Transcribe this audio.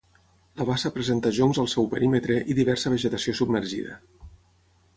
La bassa presenta joncs al seu perímetre i diversa vegetació submergida.